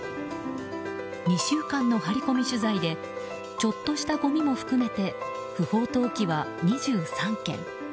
２週間の張り込み取材でちょっとしたごみも含めて不法投棄は２３件。